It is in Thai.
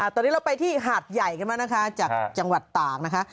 ตอนนี้เราไปที่หาดใหญ่กันบ้างนะคะจากจังหวัดตากนะคะ